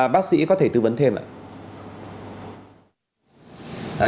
bác sĩ có thể tư vấn thêm ạ